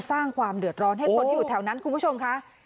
สร้างความเดือดร้อนให้คนที่อยู่แถวนั้นคุณผู้ชมค่ะ